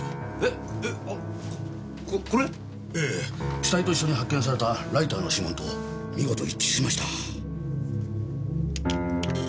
死体と一緒に発見されたライターの指紋と見事一致しました。